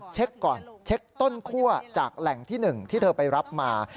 เช็คก่อนเช็คต้นคั่วจากแหล่งที่๑ที่เธอไปรับมา